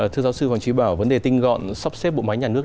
thưa giáo sư hoàng trí bảo vấn đề tinh gọn sắp xếp bộ máy nhà nước